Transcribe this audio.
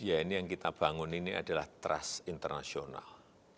ya ini yang kita bangun ini adalah trust internasional